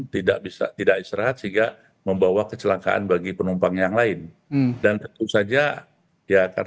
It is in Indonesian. tidak bisa tidak istirahat sehingga membawa kecelakaan bagi penumpang yang lain dan tentu saja ya karena